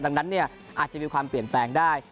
ดังนั้นอาจจะมีความเปลี่ยนแปลงได้